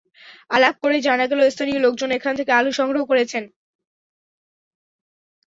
আলাপ করে জানা গেল, স্থানীয় লোকজন এখান থেকে আলু সংগ্রহ করেছেন।